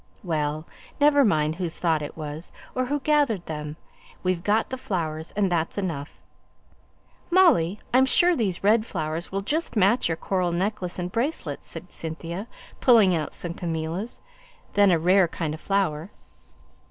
"Well, never mind whose thought it was, or who gathered them; we've got the flowers, and that's enough. Molly, I'm sure these red flowers will just match your coral necklace and bracelets," said Cynthia, pulling out some camellias, then a rare kind of flower.